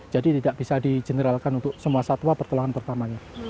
jadi tidak bisa dijeneralkan untuk semua satwa pertolongan pertamanya